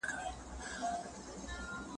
دجال واوښته له دنګو دیوالو نه